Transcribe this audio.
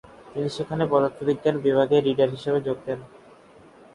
তিনি সেখানে পদার্থবিজ্ঞান বিভাগে রিডার হিসাবে যোগ দেন।